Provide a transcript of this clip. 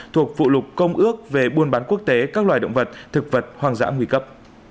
thuộc vụ lục công ước về buôn bán quốc tế các loài động vật thực vật hoang dã nguy cấp